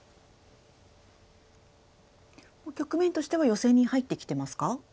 局面としてはヨセに入ってきてますか？